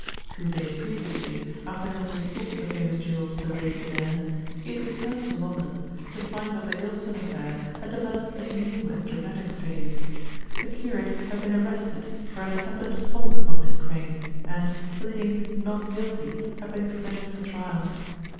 Two days previously, after having restored the famous jewels to Lady Adair, he had returned to London, to find that the Gylston affair had developed a new and dramatic phase. The curate had been arrested for an attempted assault upon Miss Crayne and, pleading "not guilty," had been committed for trial.